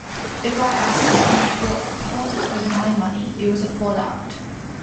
If I asked them for part of my money, it was a fallout.